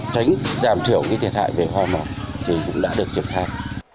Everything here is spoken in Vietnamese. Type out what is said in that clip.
tránh giảm thiểu cái thiệt hại về hoa mọc thì cũng đã được dựng thay